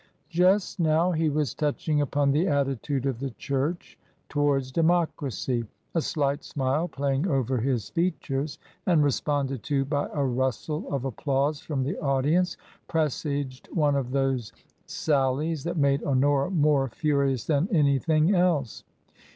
Just now he was touching upon the attitude of the church towards democracy. A slight smile playing over his features, and responded to by a rustle of applause from the audience, presaged one of those sallies that made Honora more furious than anything else.